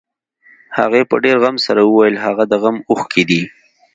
هغې په ډېر غم سره وويل هغه د غم اوښکې دي.